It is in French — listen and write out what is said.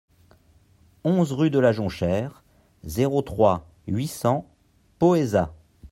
onze rue de la Jonchère, zéro trois, huit cents Poëzat